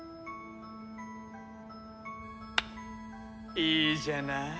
いいじゃない。